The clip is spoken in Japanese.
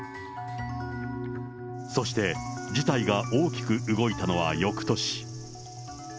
そして、事態が大きく動いたのはよくとし。